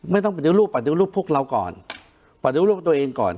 ไม่ต้องประดูกรูปประดูกรูปพวกเราก่อนประดูกรูปตัวเองก่อน